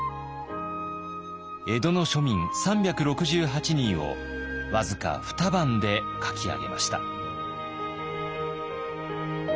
江戸の庶民３６８人を僅か二晩で描き上げました。